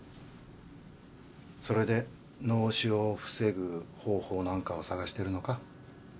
それで脳死を防ぐ方法なんかを探してるのか？